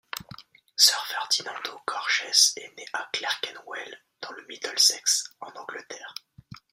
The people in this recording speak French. Sir Ferdinando Gorges est né à Clerkenwell, dans le Middlesex, en Angleterre.